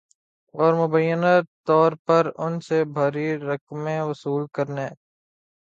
اور مبینہ طور پر ان سے بھاری رقمیں وصول کرنے